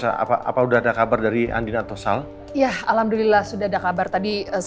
campuru rak powder yang toh beauties disitu ya kayu cool tror banget nih